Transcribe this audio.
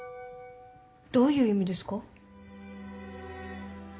どういう意味ですか？